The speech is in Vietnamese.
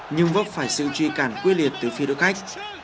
nhưng vấp phải siêu truy cản quyết liệt từ phi đối khách